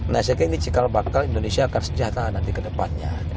nah saya kira ini cikal bakal indonesia akan sejahtera nanti ke depannya